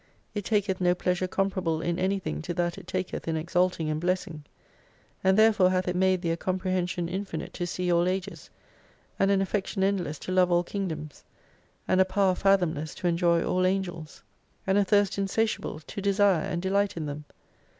It taketh no pleasure comparable in anything to that it taketh in exalting and blessing. And therefore hath it made thee a comprehension infinite to see all ages, and an affection endless to love all Kingdoms, and a power fathomless to enjoy all Angels. And a thirst insatiable 53 to desire and delight in them.